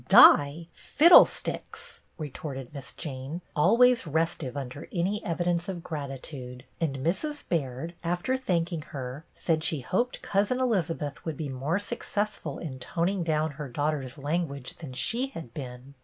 "Die, fiddlesticks!" retorted Miss Jane, always restive under any evidence of grat itude; and Mrs. Baird, after thanking her, said she hoped Cousin Elizabeth would be more successful in toning down her daugh ter's language than she had been.